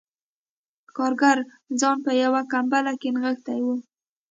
کارګر ځان په یوه کمپله کې نغښتی و